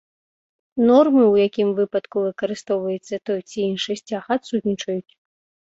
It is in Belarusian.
Нормы, у якім выпадку выкарыстоўваецца той ці іншы сцяг адсутнічаюць.